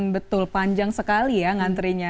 betul panjang sekali ya ngantrinya